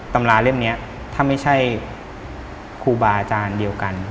ตำราเล่มนี้ถ้าไม่ใช่ครูบาอาจารย์เดียวกัน